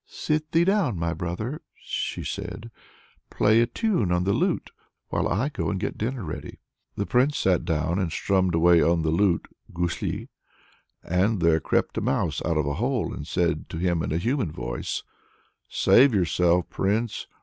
"Sit thee down, my brother!" she said, "play a tune on the lute while I go and get dinner ready." The Prince sat down and strummed away on the lute [gusli]. Then there crept a mouse out of a hole, and said to him in a human voice: "Save yourself, Prince.